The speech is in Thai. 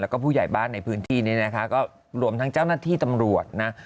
แล้วก็ผู้ใหญ่บ้านในพื้นที่นี้นะคะก็รวมทั้งเจ้าหน้าที่ตำรวจนะ